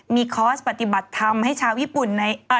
มีคอร์สปฏิบัติธรรมให้ชาวญี่ปุ่นใน